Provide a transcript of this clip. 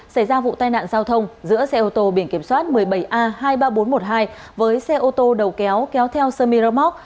xảy ra vụ tai nạn giao thông giữa xe ô tô biển kiểm soát một mươi bảy a hai mươi ba nghìn bốn trăm một mươi hai với xe ô tô đầu kéo kéo theo sơ miramoc